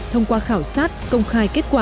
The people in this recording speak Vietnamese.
thông qua khảo sát công khai kết quả